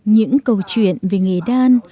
những câu chuyện về nghề đan